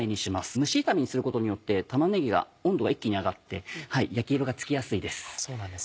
蒸し炒めにすることによって玉ねぎが温度が一気に上がって焼き色がつきやすいです。